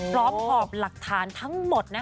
พร้อมออบหลักฐานทั้งหมดนะคะ